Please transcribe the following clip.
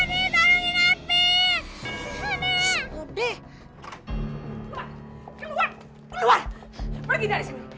keluar keluar keluar pergi dari sini